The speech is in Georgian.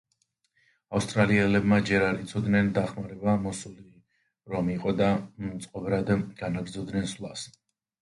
ავსტრიელებმა ჯერ არ იცოდნენ დახმარება მოსული რომ იყო და მწყობრად განაგრძობდნენ სვლას.